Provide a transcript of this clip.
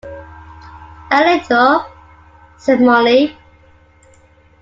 “A little,” said Mollie.